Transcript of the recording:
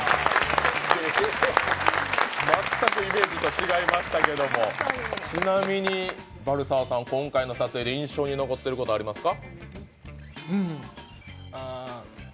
全くイメージと違いましたけどちなみにバルサーさん、今回の撮影で印象に残っていることありますか？